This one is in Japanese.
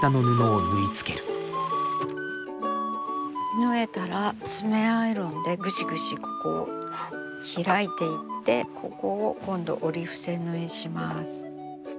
縫えたら爪アイロンでぐしぐしここを開いていってここを今度折り伏せ縫いします。